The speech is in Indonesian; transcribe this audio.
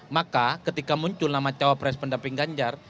maka ketika muncul nama cawapres pendamping ganjar